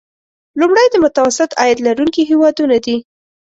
لومړی د متوسط عاید لرونکي هیوادونه دي.